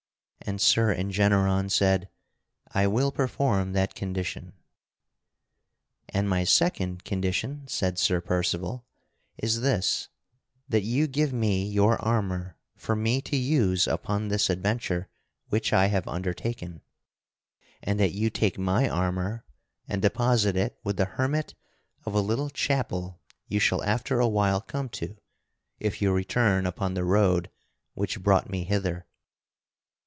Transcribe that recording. And Sir Engeneron said: "I will perform that condition." "And my second condition," said Sir Percival, "is this: that you give me your armor for me to use upon this adventure which I have undertaken, and that you take my armor and deposit it with the hermit of a little chapel you shall after a while come to if you return upon the road which brought me hither.